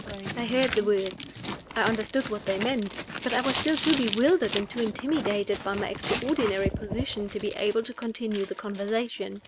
I heard the words I understood what they meant but I was still too bewildered and too intimidated by my extraordinary position to be able to continue the conversation.